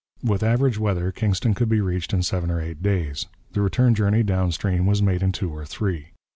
With average weather Kingston could be reached in seven or eight days; the return journey down stream was made in two or three.